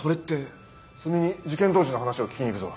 鷲見に事件当時の話を聞きに行くぞ。